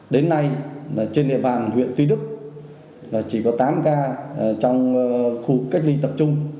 đến nay trên địa bàn huyện tuy đức chỉ có tám ca trong khu cách ly tập trung